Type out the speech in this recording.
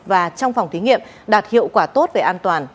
và trong phòng thí nghiệm đạt hiệu quả tốt về an toàn